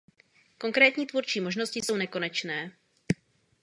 Konkrétní tvůrčí možnosti jsou nekonečné.